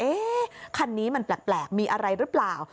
เอ๊ะคันนี้มันแปลกมีอะไรรึเปล่า